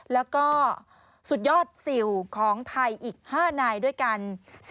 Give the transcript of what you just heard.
แล้วก็สุดยอดสิวของไทยอีก๕นายด้วยกัน